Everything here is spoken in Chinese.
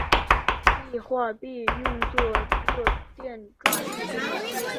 碲化铋用作热电装置中。